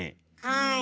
はい。